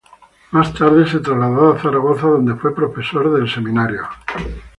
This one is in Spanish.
Más tarde se trasladó a Zaragoza, donde fue profesor del Seminario.